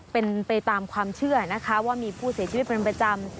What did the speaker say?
เป็นไปตามความเชื่อนะคะว่ามีผู้เสียชีวิตเป็นประจำ